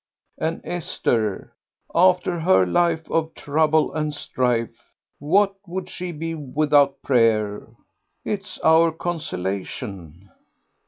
and Esther, after her life of trouble and strife, what would she be without prayer?... It is our consolation."